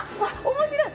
面白い！